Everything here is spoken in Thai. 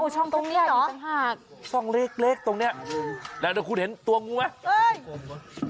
ช่องตรงนี้เหรอต่างหากช่องเล็กตรงนี้แล้วเดี๋ยวคุณเห็นตัวงูไหม